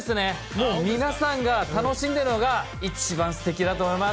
もう、皆さんが楽しんでるのが、一番すてきだと思います。